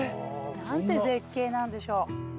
何て絶景なんでしょう。